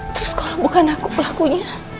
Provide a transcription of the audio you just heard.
terus kalau bukan aku pelakunya